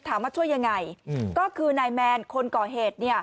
ช่วยยังไงก็คือนายแมนคนก่อเหตุ